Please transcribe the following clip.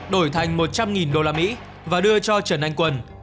đổi thành một trăm linh usd và đưa cho trần anh quân